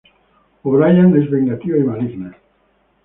O’Brien es vengativa y maligna.